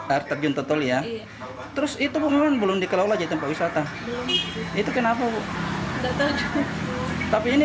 air terjun totoli ya terus itu belum dikelola jalan pengusaha belum itu kenapa itu tapi ini